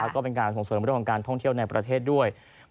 แล้วก็เป็นการส่งเสริมของการท่องเที่ยวในประเทศด้วย